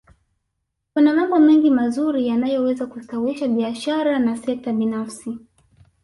kuna mambo mengi mazuri yanayoweza kustawisha biashara na sekta binafsi